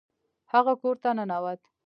هغه کور ته ننوت.